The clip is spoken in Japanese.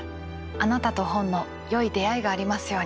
あなたと本のよい出会いがありますように。